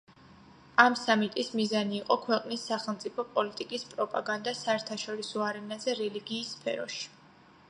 ამ სამიტის მიზანი იყო ქვეყნის სახელმწიფო პოლიტიკის პროპაგანდა საერთაშორისო არენაზე რელიგიის სფეროში.